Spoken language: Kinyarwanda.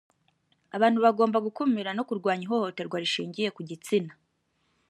abantu bagomba o gukumira no kurwanya ihohoterwa rishingiye ku gitsina